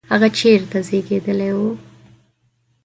هغه چیرته زیږېدلی و؟